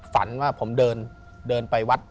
ไฟดูดเรา